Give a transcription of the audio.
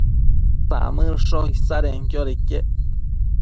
Samëdsho isadenquioda iquec